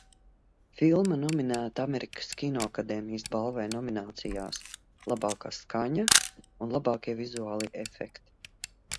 "Filma nominēta Amerikas Kinoakadēmijas balvai nominācijās "Labākā skaņa" un "Labākie vizuālie efekti"."